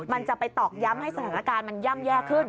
มันจะไปตอกย้ำให้สถานการณ์มันย่ำแย่ขึ้น